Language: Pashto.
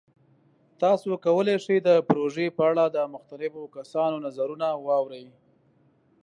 تاسو کولی شئ د پروژې په اړه د مختلفو کسانو نظرونه واورئ.